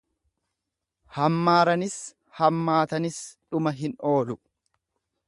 Hammaaranis hammaatanis dhuma hin oolu.